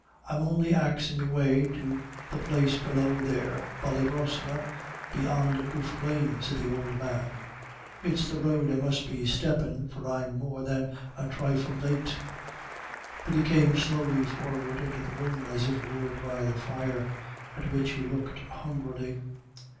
"I'm on'y axin' me way to the place below there Ballybrosna beyond Duffclane," said the old man; "it's the road I must be steppin', for I'm more than a thrifle late." But he came slowly forward into the room as if lured by the fire, at which he looked hungrily.